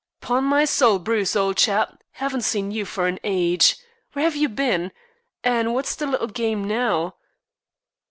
"'Pon my soul, Bruce, old chap, haven't seen you for an age. Where have you bin? An' what's the little game now?"